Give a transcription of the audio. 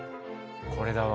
これだわ。